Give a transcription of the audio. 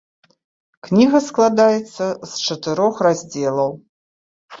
Кніга складаецца з чатырох раздзелаў.